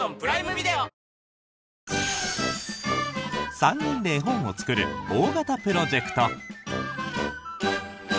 ３人で絵本を作る大型プロジェクト。